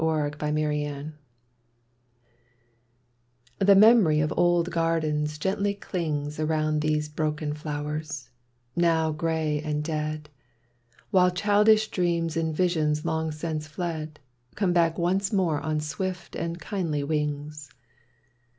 Xavenbet HE memory of old gardens gently clings Around these broken flowers, now gray and dead, While childish dreams and visions long since fled. Come back once more on swift and kindly wings.